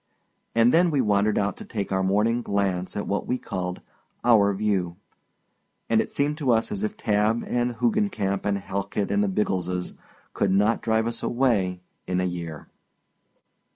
And then we wandered out to take our morning glance at what we called "our view"; and it seemed to us as if Tabb and Hoogencamp and Halkit and the Biggleses could not drive us away in a year.